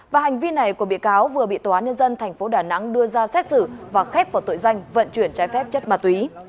và hành vi này của bị cáo vừa bị tòa án nhân dân tp đà nẵng đưa ra xét xử và khép vào tội danh vận chuyển trái phép chất ma túy